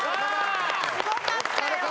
すごかったよ。